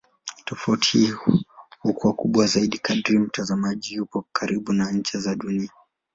Tofauti hii huwa kubwa zaidi kadri mtazamaji yupo karibu na ncha za Dunia.